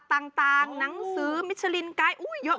สุดยอดน้ำมันเครื่องจากญี่ปุ่น